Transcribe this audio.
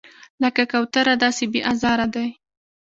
لکه کوتره داسې بې آزاره دی.